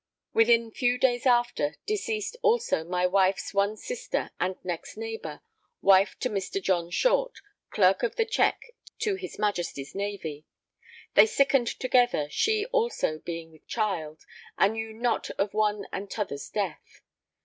Within few days after, deceased also my wife's one sister and next neighbour, wife to Mr. John Short, Clerk of the Check to his Majesty's Navy. They sickened together, she also being with child, and knew not of one and tother's death.